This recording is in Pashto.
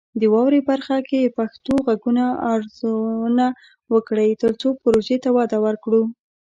د "واورئ" برخه کې پښتو غږونه ارزونه وکړئ، ترڅو پروژې ته وده ورکړو.